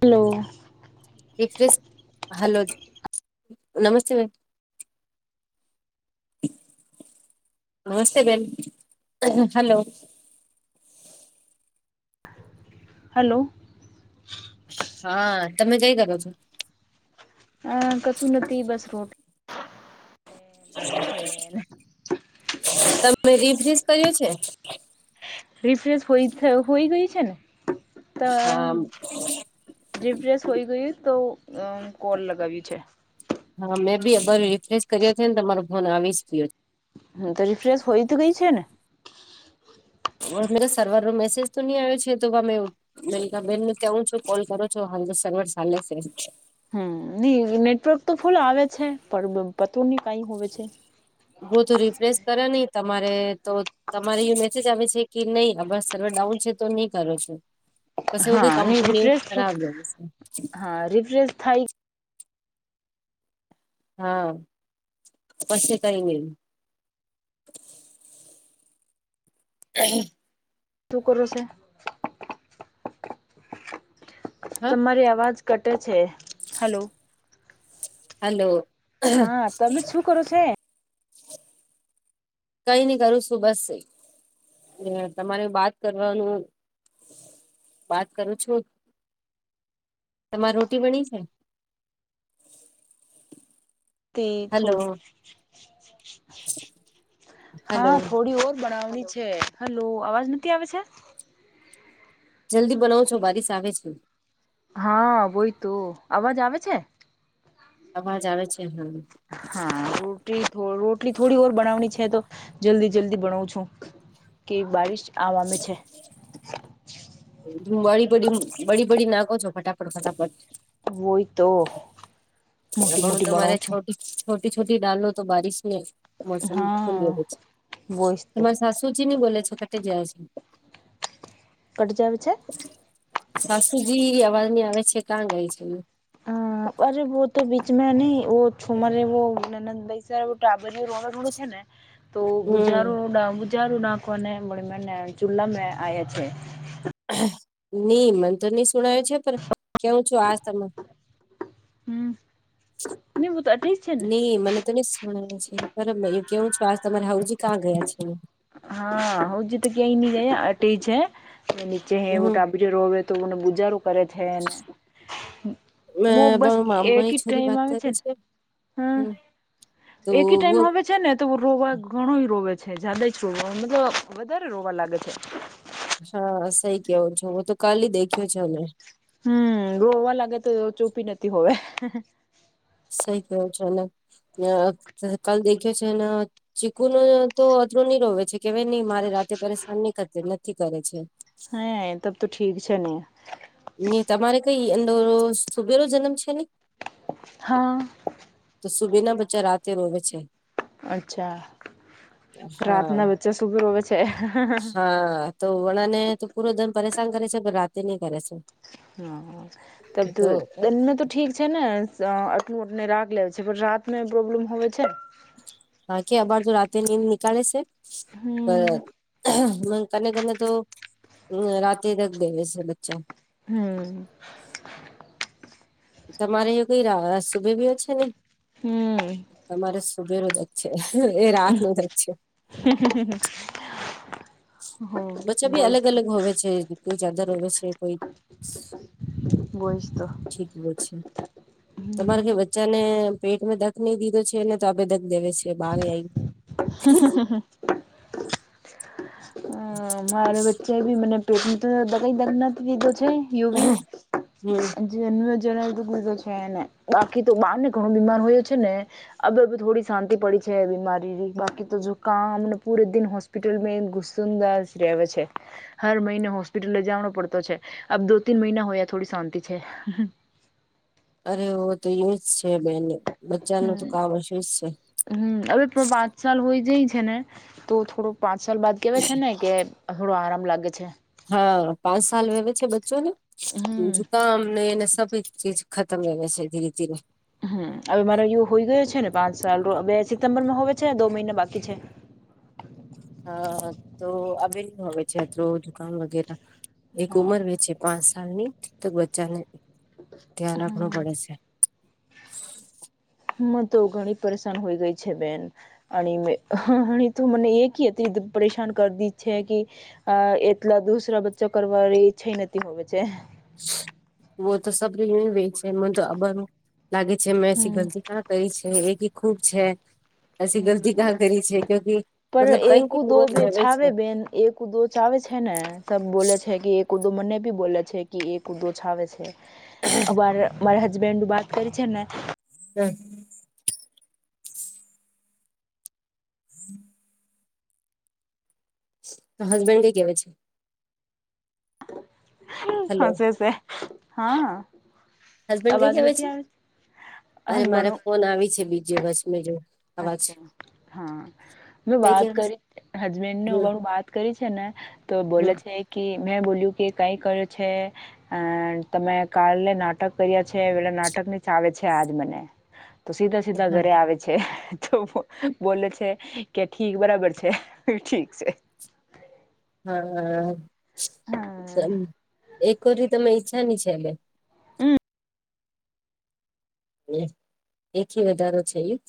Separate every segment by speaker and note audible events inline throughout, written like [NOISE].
Speaker 1: Hello
Speaker 2: [INAUDIBLE] hello નમસ્તે બેન. નમસ્તે બેન હલો
Speaker 1: હલો
Speaker 2: હા તમે કઈ કરો છો?
Speaker 1: અ કસું નથી બસ રોટ [UNINTELLIGIBLE]
Speaker 2: તમે રિફ્રીઝ કર્યો છે.
Speaker 1: રિફ્રેશ હોય હોય ગઈ છે ને તો
Speaker 2: હા
Speaker 1: રીફ્રેશ હોઈ ગય તો કોલ લગાવી છે.
Speaker 2: હા મેં બી અર રિફ્રેશ કર્યો છે ને તમારો ફોન આવી જ ગયો છે.
Speaker 1: હમ તો રિફ્રેશ હોય તો ગઈ છે ને
Speaker 2: એટલે કે સર્વરનો મેસેજ તો ની આયો છે તો મે મિનકા બેન કવું છું કોલ કરો છો હાલ તો સર્વર સાલે છે.
Speaker 1: હમ નહી નેટવર્ક તો ફુલ આવે છે પણ પતો નહીં કાંઈ હોવે છે.
Speaker 2: બહુ તો રિફ્રેશ કરે નહી તમારે તો તમારી [INAUDIBLE] ઓછી જ આવે છે કે નહી આ બ સર્વર ડાઉન છે તો નહી કરો છો? પસે એવું
Speaker 1: હા
Speaker 2: કઈ
Speaker 1: નહી
Speaker 2: કંપની
Speaker 1: રિફ્રેશ
Speaker 2: ખરાબ હોય સે.
Speaker 1: હા રિફ્રેશ થાઈ
Speaker 2: હા પસે કઈ નઈ. [INAUDIBLE]
Speaker 1: શું કરો સે?
Speaker 2: હા
Speaker 1: તમારી આવાજ કટે છે. હલો
Speaker 2: હલો
Speaker 1: હા તમે શું કરો છે?
Speaker 2: કઈ નઈ કરું સુ બસ તમારે બાત કરવાનું બાત કરું છું. તમારે રોટી બની છે?
Speaker 1: તી
Speaker 2: હલો
Speaker 1: થોડ
Speaker 2: હલો
Speaker 1: હા થોડી ઓર બણવાની છે. હલો અવાજ નથી આવે છે?
Speaker 2: જલ્દી બનાવ છું. બારીસ આવે છે.
Speaker 1: હા વોહી તો. અવાજ આવે છે?
Speaker 2: અવાજ આવેે છે. હહ
Speaker 1: હારુ. ટી થોડ રોટલી થોડી ઓર બનાવની છે તો જલ્દી જલ્દી બણવું છું કે બારીશ આવામે છે.
Speaker 2: બડી બડી બડી બડી નાખો છો ફટાફટ ફટાફટ.
Speaker 1: વોહી તો મોટી
Speaker 2: ઘણું
Speaker 1: મોટી
Speaker 2: તમારે
Speaker 1: બણાવું છું.
Speaker 2: છોટી છોટી છોટી ડાલો તો બારીશને મોસમ ખુલ છે
Speaker 1: હા વોઈસ તો
Speaker 2: તમારે સાસુ તું ચી ની બોલે છે કટે ગયા સે.
Speaker 1: કટ જાવે છે?
Speaker 2: સાસુજી અવાજ ની આવે છે કા ગઈ છે?
Speaker 1: અ અરે વો તો બીચમાં નહીં વો છુમાર વો નણંદ દઈ જાય વો ટાબરિયું રોવે રોવે છે ને. તો
Speaker 2: હમ
Speaker 1: બુજારો ડા બુજારું નાખવાને મને મેને ચુલા મે આયા છે.
Speaker 2: ની મંત તો ની સુણાય્યું છે પર કેવું છું આ સમય
Speaker 1: હમ
Speaker 2: ની મને તો ની હમ છે બરાબર કેવું છું આજ તમારે હાઉજી કાં ગયા છે?
Speaker 1: હા હઉજી તો ક્યાંય ની ગયા અટે છે નીચે હે વો
Speaker 2: હમ
Speaker 1: ટાબ પ ર તો મને બુજાર કરે છે, ને બહ બસ
Speaker 2: મામાની
Speaker 1: એકી
Speaker 2: છોરી
Speaker 1: ટાઈમ
Speaker 2: વાત
Speaker 1: આવે
Speaker 2: કરે
Speaker 1: છે ને.
Speaker 2: હમ. તો
Speaker 1: એકી
Speaker 2: વો
Speaker 1: ટાઈમ હ છે ને તો રોવા ઘણો રોવે છે જદા રોવા મતલબ વધારે રોવા લાગે છે.
Speaker 2: હા સહી કયો છો. વો તો કાલી દેખ્યો છે ને.
Speaker 1: હમ વો રોવા લાગે તો ચૂપી નથી હોવે.
Speaker 2: સહી કયો છો ને ને કલ દેખ્યો છે ને ચીકુ ને તો અતરું ની રોવે છે કેવાય નહી મારે રાતે પરેશાન ની કરે નથી કરે છે.
Speaker 1: હે તબ તો ઠીક છે ને.
Speaker 2: ની તમારે કઈ અંદોરો સુબેરો જન્મ છે ને?
Speaker 1: હા
Speaker 2: તો સુબીના બચ્ચા રાતે રોવે છેે.
Speaker 1: અચ્છા,
Speaker 2: હા
Speaker 1: રાતના વચ્ચે સુગરવે છે.
Speaker 2: હા. તો વડા ને તો પૂરો દમ પરેશાન કરે છે પણ રાતે નહી કરે છે.
Speaker 1: હં તબ
Speaker 2: તો
Speaker 1: દ દનને તો ઠી છે ને અટનું ઓટને રાખ લે છે પર રાત પ્રોબ્લેમ હોવે છે.
Speaker 2: હા કે અબાર જો રાતે નનીંદ નિકાલેે છે ક ક તો રાતે તક બેવે છે બચા.
Speaker 1: હમ.
Speaker 2: તમારે એ કઈ સુભે બીયો છે નઈ, તમારે સુભેરો છે એ રાત ન થ જ છે.
Speaker 1: હ [UNINTELLIGIBLE]
Speaker 2: બચ્છા બી અલગ અલગ હોવે છે કોઈ ચાદર હોવે છે કોઈ ઠીક બ છે, તમારે કે ાને પેટમાં દક નહી દીધો છે ને તો આપે દક દેવે છે બાર આવી.
Speaker 1: હ [UNINTELLIGIBLE]
Speaker 2: હ [INAUDIBLE]
Speaker 1: મારે વચ્ચે એ બી મને પેટધ ક દ નથી દીધો છે હું બી.
Speaker 2: હમ
Speaker 1: જન્મ જણ કીધો છેને બાકી તો બાર ને ઘણું બીમાર હોયયો છે ને. અ થોડી શાંતિ પડી છે બીમારી. તો જો કામ પુરે દિન હોસ્પિટલ મે ઘુસંદા છે. હર મહિને હોસ્પિટલ લ જવાનો પડતો છે, આ દો તન મહિના હોય થોડી શાંતિ છે.
Speaker 2: અરે ઓ તો યજ છે બેન બચ્ચાનું તો કામ હશે છે.
Speaker 1: હમ હવે પણ પાંચ સાલ હોય જાય છે ને, તો થોડો પાંચ સાલ બાદ કેવા છે ને કે થોડો આરામ લાગે છે.
Speaker 2: હા પાંચ સાલ વહેવે છે બચ્ચો ન.
Speaker 1: હમ
Speaker 2: જુકામ ને એને સી ચીજ ખતમ કર છે ધીરે ધીને.
Speaker 1: હમ હવે મારો વ હોય ગયો છે ને પાંચ સાલ બે સિત્મ્બર માં હોવે છે દો મહિના બાકી છે.
Speaker 2: હા તો આવે છે અ દુકામ વગેરે. એક
Speaker 1: હા
Speaker 2: ઉંમર વેચે પાંચ સાલની તક બચ્ચા ન. ધ્યા રાખવું
Speaker 1: હમ
Speaker 2: પડે છે.
Speaker 1: હ તો ઘણી પરેશાન હોય ગઈ છે બેન. અને તું મને એક એત પરેશાન કરદી ઈચ્છ કે અ એટલા દુસરા બચ્ચો કરવાની ઈચ્છ નથી હોવે છે.
Speaker 2: વ તો સ ર વ [UNINTELLIGIBLE] એ મને તો આબર લાગે છે મેછી
Speaker 1: હમ
Speaker 2: ગલતી ક્યા કરી છે એથી ખુબ છે. અી ગલતી ક કરી છે કે
Speaker 1: પર
Speaker 2: મતલબ
Speaker 1: એક દો બે
Speaker 2: કઈ જ છે.
Speaker 1: છાવે બેન એક દો ચ આવેે છે ને તબ બોલે છે કે એક કૂદદો મને બી બોલે છે કે એ કૂદદો છાવે છે, અવાર મારા હસબેન્ડું વાત કરી છે ને.
Speaker 2: હ. [INAUDIBLE] હસબેન્ડ [UNINTELLIGIBLE] કેવા છે. હલો
Speaker 1: હશેશે, હા.
Speaker 2: હસબન્ડ ગઈ
Speaker 1: અવાજ
Speaker 2: ગયા
Speaker 1: નથી
Speaker 2: પછી?
Speaker 1: આવે
Speaker 2: અરે
Speaker 1: હમ
Speaker 2: મારે
Speaker 1: ભણો
Speaker 2: ફોન આવી છે બીજે વસ મે બીજો.
Speaker 1: અચ્છા હા. મે
Speaker 2: કઈ કે
Speaker 1: વાત કરી હસબેન્ડ
Speaker 2: હમ
Speaker 1: નેવાળ વાત કરી છે ને, તો બોલે
Speaker 2: હમ
Speaker 1: છે કે મેં બોલ્યું કે કાંઈ કર્યું છે. અ તમે કાલે નાટક કર્યા છે એ વેલા નાટક ની ચાલે છે આજ મને. તો સીધા સીધા ઘરે આવે છે. જો બો બોલે છે કે ઠીક બરાબર છે ઠીક છે.
Speaker 2: હા આમ એક કરી તમે ઈચ્છાની છે એટલે.
Speaker 1: [UNINTELLIGIBLE]
Speaker 2: ને એક થી વધારો છે એક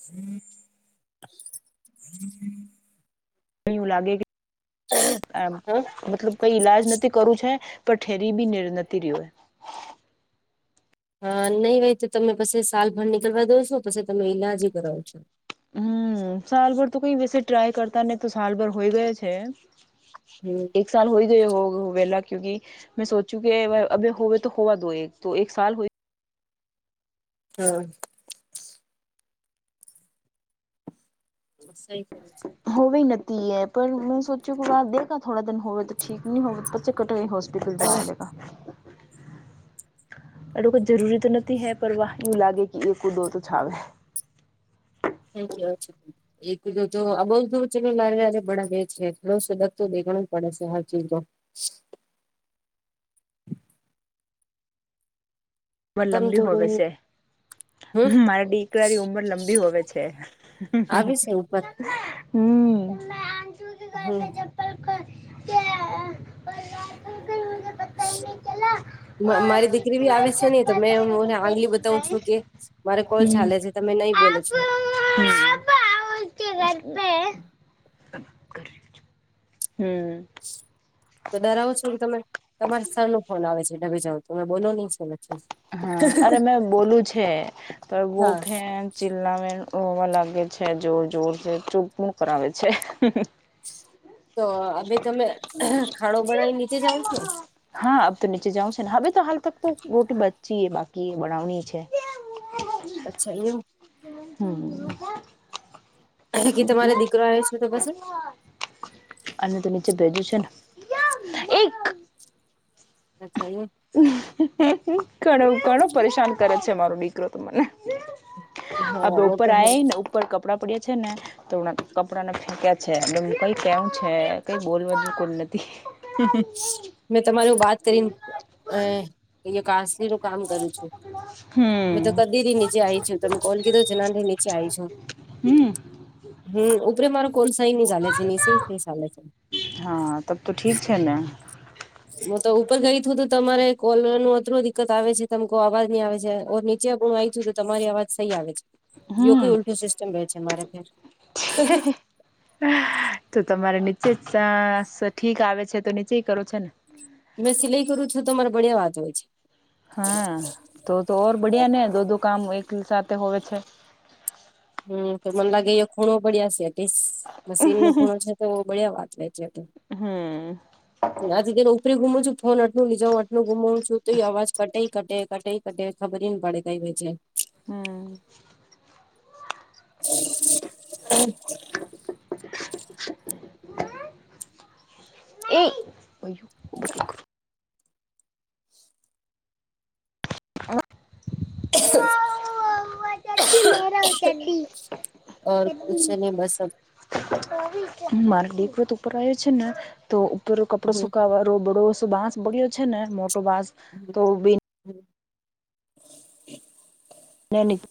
Speaker 1: કંઈ એવું લાગે કે આમ
Speaker 2: હા
Speaker 1: મતલબ કઈ ઈલાજ નથી કરું છે પણ ઠેરી બી ન નથી રહ્યું.
Speaker 2: હા નહીં ભાઈ તો તમે પછી સાલભર નીકળવા દો છો પછી તમે ઈલાજ કરાવો છો.
Speaker 1: હમ્મ સાલભર તો કઈ વિશે ટ્રાય કરતા ને તો સાલભર હોય ગયા છે.
Speaker 2: હમ્મ.
Speaker 1: એક સાલ હોઈ ગયો હો ગો વહેલા ક્યુકી મેં સોચ્યું કે અભ હોવે તો હોવા દો એક તો એક સ
Speaker 2: હ સહી કર
Speaker 1: હોવે નતી એ પર મેં સોચ્યો કે વા દખા થોડા દન હોવે તો ઠીક ન હોવે પચે કટ હો [UNINTELLIGIBLE] એટ જરૂરી તો નથી હે પર વા એવું લાગે કે એ દો તો છાવે.
Speaker 2: થેન્કયુ ઓ એકધ તો આ બઉધ વચે લારે લારે બડાાવે છે થોડ સદગ તો દેખણું જ પડે છે હ ચીજો [INAUDIBLE]
Speaker 1: ઉમર
Speaker 2: તમ
Speaker 1: લંબી હોવે
Speaker 2: થોડું
Speaker 1: છે
Speaker 2: હમ
Speaker 1: મારા દીકરાની ઉંમર લંબી હોવે છે.
Speaker 2: આવી છે ઉપર
Speaker 1: હમ
Speaker 2: હમ
Speaker 1: [UNINTELLIGIBLE]
Speaker 2: મારી દીકરી ભી આવે છે તમે મને આંગલી બતાવું
Speaker 1: ચપ્પલ
Speaker 2: છું કે મારા કોલ ચાલે છે તમે નહી બોલે છો
Speaker 1: [INAUDIBLE] હમ
Speaker 2: તો ડરાવો છો કે તમે તમારે સર નો ફોન આવે છે ડબી જાવ તમે બોલો નહીં
Speaker 1: હા અરે મેં બોલું છે પણ બો
Speaker 2: હા
Speaker 1: ફે ચિલ્લા મે હોવા લાગે છે જોર જોર ચોગપુણ કરાવે છે
Speaker 2: તો અભ તમે ખાડો બનાવી નીચે જાઓ છો.
Speaker 1: હા આ તો નીચે જાઉ છેને, હવે તો હાલ ત તો રોટી બચી બાકી બનાવણી છે.
Speaker 2: અચ્છા એ
Speaker 1: હમ
Speaker 2: કે તમારે દીકરો આવ્યો છે તો પછ
Speaker 1: અને [UNINTELLIGIBLE] ને એક
Speaker 2: અછ એએ
Speaker 1: ઘણું ઘણું પરેશાન કરે છે મારો દીકરો તો મને. આ બે
Speaker 2: હા વો
Speaker 1: ઉપર
Speaker 2: તો હે
Speaker 1: આ ને ઉપર કપડાં પડ્યા છે ને. તો હણા કપડા ફેંક્યા છે એ કઈ કેવ છે કઈ બોલ બાજુ કોઈ નથી. [INAUDIBLE]
Speaker 2: મેં તમાર બાત કરીને અ અહી કાસલી નું કામ કરું છું. મેં
Speaker 1: હમ્મ.
Speaker 2: તો કદી થી નીચે આવી છું તમે કોલ કીધો જથી નીચે આઈ છું.
Speaker 1: હમ્મ.
Speaker 2: હમ્મ ઉપરે મારો કોલ સહી ની ચાલે છે [UNINTELLIGIBLE] ની ચાલે છે.
Speaker 1: હા તબ તો ઠીક છે ને.
Speaker 2: હું તો ઉપર ગઈ તું તો તમારે કોલર નું અતું દિકકત આવે છે તમ કો અવાજ નહી આવે છે ઓર નીચે પણ આવી છું તમારી અવાજ સહી આવે છે જો કોઈ ઉલટું સિસ્ટમ બે છે મારે અત્યારે.
Speaker 1: હે, હે. [UNINTELLIGIBLE] તો તમારે નીચે જ સા ઠીક આવે છે તો નીચે કરો છો ને.
Speaker 2: મેં સિલાઈ કરું છું તો મારે બળીયા અવાજ હોય છે.
Speaker 1: હા તો તો ઓર બડિયા ને દો દો કામ એકી સાથે હોવે છે.
Speaker 2: હમ્મ તો મને લાગે એ ખૂણો પડ્યા છે [UNINTELLIGIBLE] મશીન નો ખૂણો છે. તો બળિયા આવા જ હોય છે તો
Speaker 1: હમ્મ
Speaker 2: આથી તેને ઉપરી ગુમું છું. ફોન આટલું લીજા આટલું ગુમવું છું તો એ અવાજ કટે કટે કટે કટે ખબરે ની પડે કઈ [UNINTELLIGIBLE]
Speaker 1: હમ્મ.
Speaker 2: [UNINTELLIGIBLE]
Speaker 1: એ
Speaker 2: [INAUDIBLE]
Speaker 1: [INAUDIBLE]
Speaker 2: [INAUDIBLE] ઔર કુછ નહી બસ
Speaker 1: મારા દેખવત ઉપર આવ્યો છે ન તો ઉપરો કપડો
Speaker 2: હમ
Speaker 1: સુકાવા રો બરોસો બાસ બગ્યો છે ને મોટો બાસ
Speaker 2: હમ
Speaker 1: તો બેને
Speaker 2: હમ.
Speaker 1: ને નીચે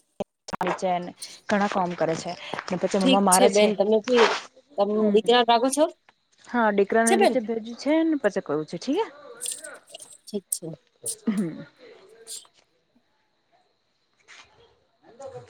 Speaker 1: આવે છે ને ઘણા કામ કરે છે. ને પછી મમ્મા
Speaker 2: ઠીક છે
Speaker 1: મારે
Speaker 2: બેન તમે બી તમે
Speaker 1: હમ
Speaker 2: [UNINTELLIGIBLE] રાખો છો.
Speaker 1: હા
Speaker 2: ઠીક
Speaker 1: દીકરાને
Speaker 2: છે બેન
Speaker 1: નીચે ભેજ્યું છે ને પછી કરવું છે ઠીક હે.
Speaker 2: ઠીક છે.
Speaker 1: હામ. હાલો.